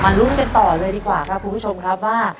ลุ้นกันต่อเลยดีกว่าครับคุณผู้ชมครับว่า